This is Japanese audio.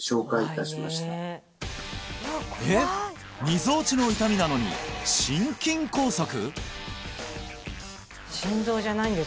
みぞおちの痛みなのに心筋梗塞！？